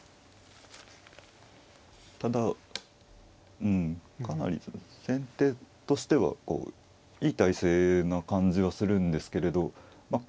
ただかなり先手としてはこういい態勢な感じはするんですけれど。